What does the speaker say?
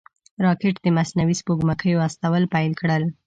راکټ د مصنوعي سپوږمکیو استول پیل کړل